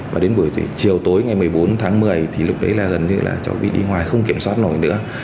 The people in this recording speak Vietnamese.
và đến buổi chiều tối ngày một mươi bốn tháng một mươi thì lúc đấy là gần như là cháu bị đi ngoài không kiểm soát nổi nữa